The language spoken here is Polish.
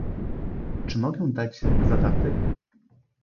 "Czy mogę dać zadatek?"